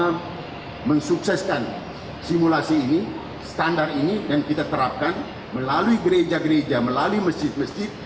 kita mensukseskan simulasi ini standar ini dan kita terapkan melalui gereja gereja melalui masjid masjid